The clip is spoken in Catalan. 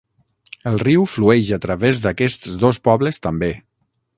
El riu flueix a través d'aquests dos pobles també.